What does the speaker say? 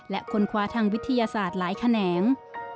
และค้นคว้าทางวิทยาศาสตร์หลายแขนง